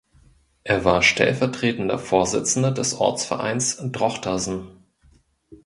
Er war stellvertretender Vorsitzender des Ortsvereins Drochtersen.